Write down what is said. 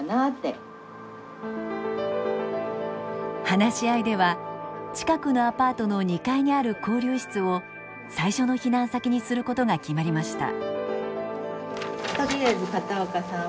話し合いでは近くのアパートの２階にある交流室を最初の避難先にすることが決まりました。